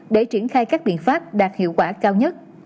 để triển khai các biện pháp đạt hiệu quả cao nhất